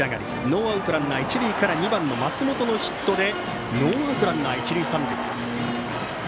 ノーアウトランナー、一塁から２番の松本のヒットでノーアウトランナー、一塁三塁。